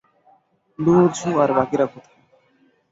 লুয়ো Zhu আর বাকিরা কোথায়?